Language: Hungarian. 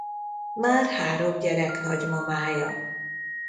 Már három gyerek nagymamája.